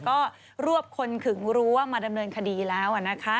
ก็รวบคนถึงรู้ว่ามาดำเนินคดีแล้วนะคะ